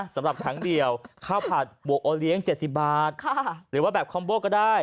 สำหรับทั้งเดียวข้าวผัดบวกโอเลียงเจ็ดสิบบาทค่ะหรือว่าแบบคอมโบ้ก็ได้